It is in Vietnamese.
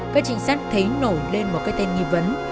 các trinh sát thấy nổi lên một cái tên nghi vấn